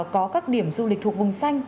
có các điểm du lịch thuộc vùng xanh